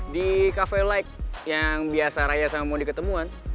di cafe light yang biasa raya sama mondi ketemuan